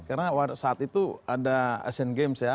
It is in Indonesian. karena saat itu ada asian games ya